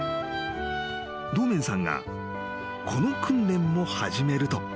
［堂面さんがこの訓練も始めると］